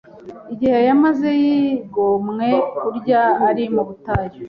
igihe yamaze yigomwe kurya ari mu butayu.